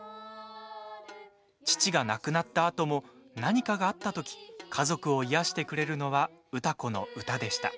父が亡くなったあとも何かがあったとき家族を癒やしてくれるのは歌子の歌でした。